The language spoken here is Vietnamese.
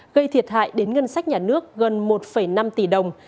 gây thiệt hại đến ngân sách nhà nước gần một năm tỷ đồng